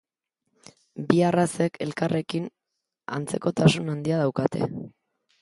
Bi arrazek elkarrekin antzekotasun handia daukate.